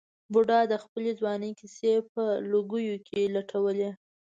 بوډا د خپلې ځوانۍ کیسې په لوګیو کې لټولې.